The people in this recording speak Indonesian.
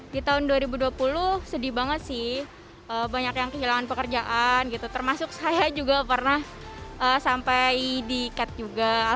di tahun dua ribu dua puluh sedih banget sih banyak yang kehilangan pekerjaan gitu termasuk saya juga pernah sampai di cat juga